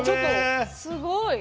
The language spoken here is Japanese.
すごい！